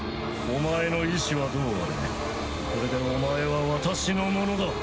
お前の意思はどうあれこれでお前は私のものだ。